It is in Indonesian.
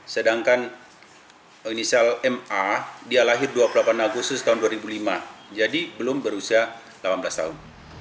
sedangkan inisial ma dia lahir dua puluh delapan agustus tahun dua ribu lima jadi belum berusia delapan belas tahun